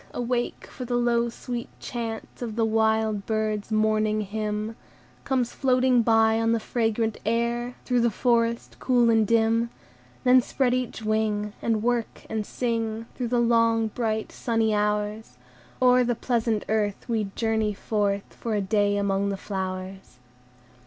awake! for the low, sweet chant Of the wild birds' morning hymn Comes floating by on the fragrant air, Through the forest cool and dim; Then spread each wing, And work, and sing, Through the long, bright sunny hours; O'er the pleasant earth We journey forth, For a day among the flowers.